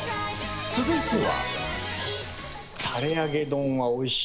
続いては。